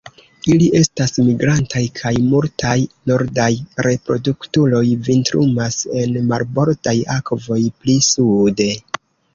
Ili estas migrantaj kaj multaj nordaj reproduktuloj vintrumas en marbordaj akvoj pli sude.